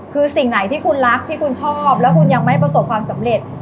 คือสิ่งไหนที่คุณรักที่คุณชอบแล้วคุณยังไม่ประสบความสำเร็จ